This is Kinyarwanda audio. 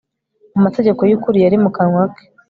amategeko y ukuri yari mu kanwa ke